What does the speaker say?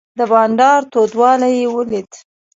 د بانډار تودوالی یې ولید.